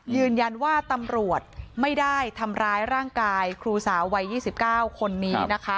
ยืนยันว่าตำรวจไม่ได้ทำร้ายร่างกายครูสาววัย๒๙คนนี้นะคะ